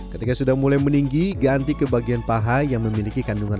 ketika sudah mulai meninggi ganti ke bagian paha yang memiliki kandungan